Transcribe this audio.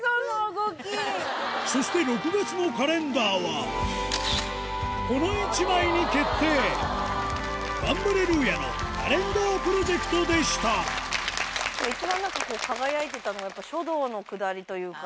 そして６月のカレンダーはこの１枚に決定ガンバレルーヤの「カレンダープロジェクト」でした一番なんかこう輝いてたのがやっぱり書道のくだりというか。